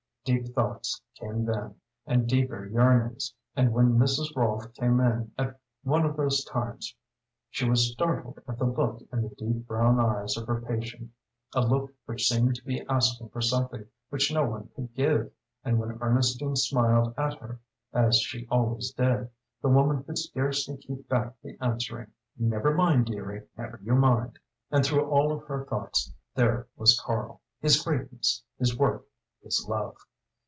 Deep thoughts came then, and deeper yearnings, and when Mrs. Rolfe came in at one of those times she was startled at the look in the deep brown eyes of her patient, a look which seemed to be asking for something which no one could give, and when Ernestine smiled at her, as she always did, the woman could scarcely keep back the answering "Never mind, dearie never you mind." And through all of her thoughts there was Karl his greatness, his work, his love.